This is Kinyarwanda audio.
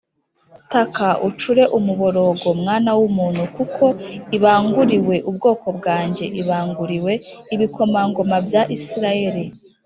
Taka ucure umuborogo mwana w’umuntu, kuko ibanguriwe ubwoko bwanjye, ibanguriwe ibikomangoma bya Isirayeli